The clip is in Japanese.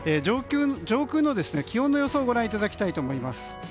上空の気温の様子をご覧いただきたいと思います。